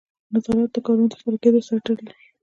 نظارت د کارونو د ترسره کیدو سره تړلی دی.